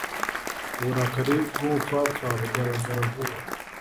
uburakari bw’umupfapfa bugaragara vuba,